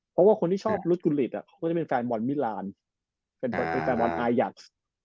เพราะว่าคนชอบฤทธิ์กุนฤทธิ์ก็จะเป็นแฟนบอลมีรานด์เป็นแฟนบอลไออยักษ์